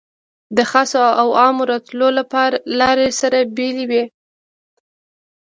د خاصو او عامو د راتلو لارې سره بېلې وې.